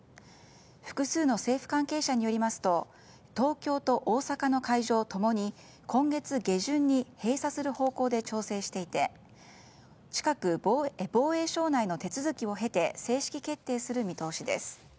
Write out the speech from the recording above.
複数の政府関係者によりますと東京と大阪の会場ともに今月下旬に閉鎖する方向で調整していて近く防衛省内の手続きを経て正式決定する見通しです。